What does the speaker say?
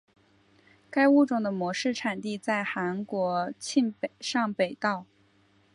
该物种的模式产地在韩国庆尚北道。